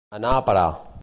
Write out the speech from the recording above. Anar a parar.